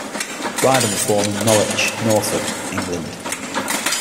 Bryden was born in Norwich, Norfolk, England.